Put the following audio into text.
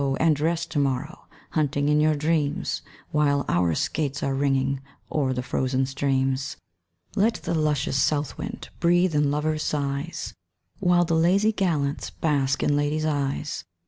and rest to morrow, Hunting in your dreams, While our skates are ringing O'er the frozen streams. Let the luscious South wind Breathe in lovers' sighs, While the lazy gallants Bask in ladies' eyes.